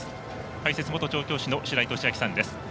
解説、元調教師の白井寿昭さんです。